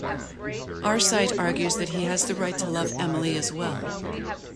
Arcite argues that he has the right to love Emily as well.